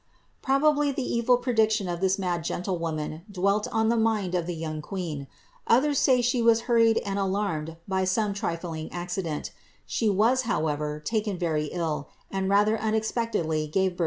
Probably the evil prediction of this mad gentlewoman dwelt on the mind of the young queen ; others say she was hurried and alarmed by some trifling accident; she was, however, taken very ill, and rather unex * Ballard's Celebrated Women.